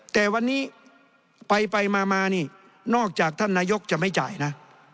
แต่วันนี้ไปมานี่นอกจากท่านนายกจะไม่จ่ายนะ